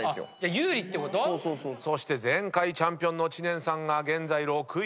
そして前回チャンピオンの知念さんが現在６位。